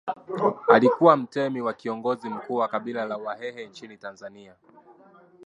Alikuwa mtemi na kiongozi mkuu wa kabila la Wahehe nchini Tanzania